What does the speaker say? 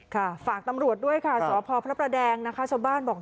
ค่ะฝากตำรวจด้วยค่ะสพพระพระแดงบ้านบอก